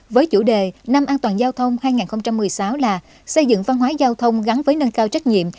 với chủ đề năm an toàn giao thông hai nghìn một mươi sáu là xây dựng văn hóa giao thông gắn với nâng cao trách nhiệm